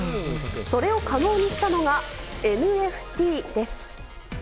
それを可能にしたのがＮＦＴです。